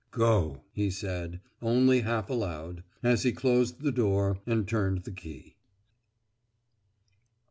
"Go!" he said, only half aloud, as he closed the door and turned the key.